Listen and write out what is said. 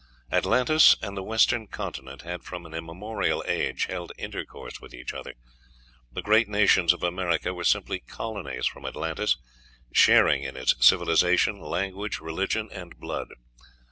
Atlantis and the western continent had from an immemorial age held intercourse with each other: the great nations of America were simply colonies from Atlantis, sharing in its civilization, language, religion, and blood.